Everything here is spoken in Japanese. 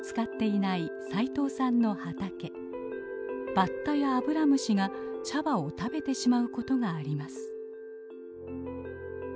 バッタやアブラムシが茶葉を食べてしまうことがあります。